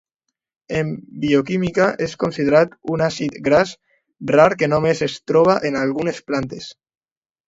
En bioquímica és considerat un àcid gras rar que només es troba en algunes plantes.